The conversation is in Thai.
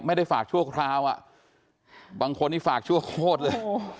ฝากชั่วคราวอ่ะบางคนนี่ฝากชั่วโคตรเลย